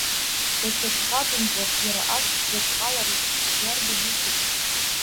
Даҽа ӡӷабымзар, иара ас дзырҟьаларыз иарбан усыз?